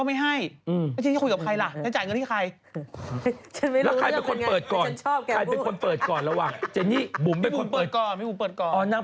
ไม่ออกไปเลยนางให้แม่ออกมา